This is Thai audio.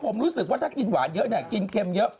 ผมรู้สึกว่าถ้ากินหวานเยอะเนี่ยกินเค็มเยอะ